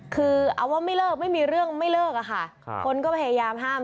คือเอาว่าไม่เลิกไม่มีเรื่องไม่เลิกอะค่ะคนก็พยายามห้าม